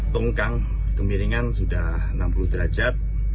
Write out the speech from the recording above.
tongkang kemiringan sudah enam puluh derajat